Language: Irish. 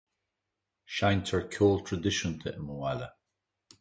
Seinntear ceol traidisiúnta i mo bhaile.